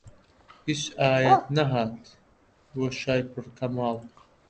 هیچ ئایەت نەهات بۆ شای پڕ کەماڵ